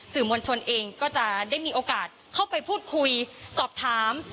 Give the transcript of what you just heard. มวลชนเองก็จะได้มีโอกาสเข้าไปพูดคุยสอบถาม